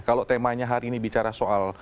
kalau temanya hari ini bicara soal